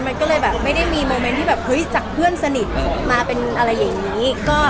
มันก็เลยแบบไม่ได้มีโมเม้นที่หาเพื่อนสนิทมาเป็นอะไรแบบเนี้ย